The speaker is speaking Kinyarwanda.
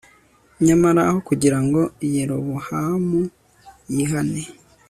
Nyamara aho kugira ngo Yerobowamu yihane